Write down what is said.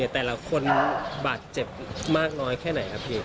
แต่ละคนบาดเจ็บมากน้อยแค่ไหนครับพี่